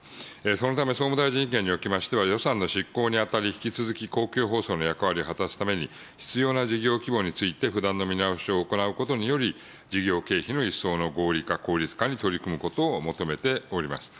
そのため、総務大臣意見におきましては、予算の執行にあたり、引き続き公共放送の役割を果たすために、必要な事業規模について不断の見直しを行うことにより、事業経費の一層の合理化、効率化に取り組むことを求めております。